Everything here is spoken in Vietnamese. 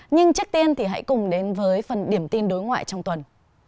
nhưng trước tiên thì hãy cùng đến với phần điểm tin đối ngoại trong tuần